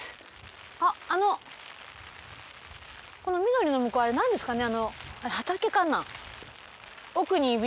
あっあのこの緑の向こうあれ何ですかね？